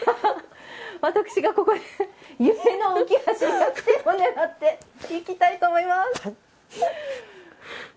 私が、ここで夢浮橋で逆転を狙っていきたいと思います。